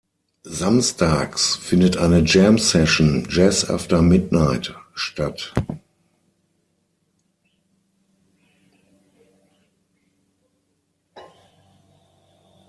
Samstags findet eine Jam Session „Jazz after Midnight“ statt.